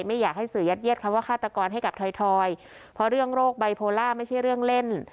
ไม่อยากให้สื่อยัดเย็ดคำว่าฆาตกรให้กับถอยเพราะเรื่องโรคไบโพล่าไม่ใช่เรื่องเล่น